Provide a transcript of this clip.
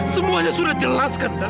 semuanya sudah jelas kan pak